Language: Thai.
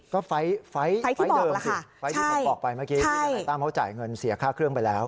ก็ไฟล์เดิมสิไฟล์ที่ผมบอกไปเมื่อกี้ที่ทนายตั้มเขาจ่ายเงินเสียค่าเครื่องไปแล้ว